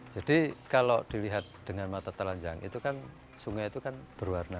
jadi kalau dilihat dengan mata telanjang itu kan sungai itu kan berwarna